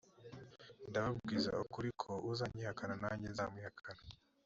ndababwira ukuri ko uzanyihakana nanjye nzamwihakana